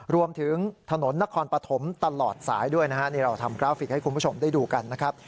รวมถึงถนนนครปฐมตลอดสายด้วยนะฮะนี่เราทำกราฟิกให้คุณผู้ชมได้ดูกันนะครับ